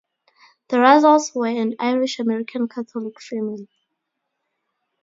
The Russells were an Irish-American Catholic family.